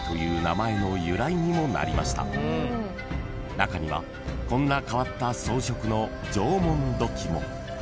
［中にはこんな変わった装飾の縄文土器も］